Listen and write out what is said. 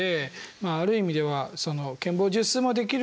まあある意味では権謀術数もできる。